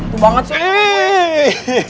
tuh banget sih